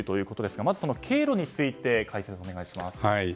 まず経路について解説をお願いします。